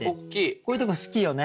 こういうとこ好きよね